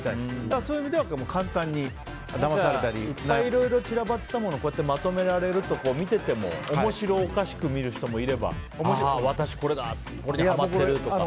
そういう意味ではいっぱい、いろいろ散らばってたのをまとめられると見ていても面白おかしく見る人もいれば私、これにはまってるとか。